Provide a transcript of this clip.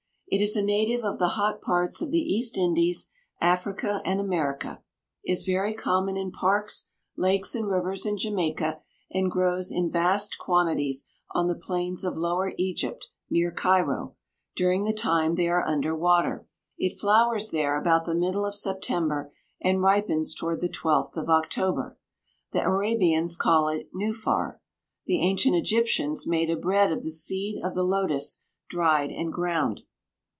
It is a native of the hot parts of the East Indies, Africa, and America, is very common in parks, lakes, and rivers in Jamaica and grows in vast quantities on the plains of lower Egypt, near Cairo, during the time they are under water. It flowers there about the middle of September and ripens toward the 12th of October. The Arabians call it nuphar. The ancient Egyptians made a bread of the seed of the lotus dried and ground.